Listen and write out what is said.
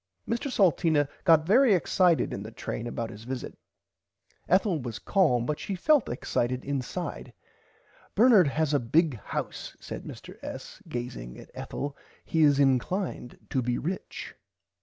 Mr Salteena got very excited in the train about his visit. Ethel was calm but she felt excited inside. Bernard has a big house said Mr. S. gazing at Ethel he is inclined to be rich.